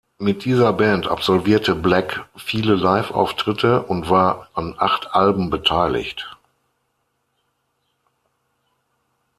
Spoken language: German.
Mit dieser Band absolvierte Black viele Live-Auftritte und war an acht Alben beteiligt.